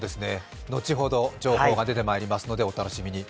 後ほど情報が出てまいりますので、お楽しみに。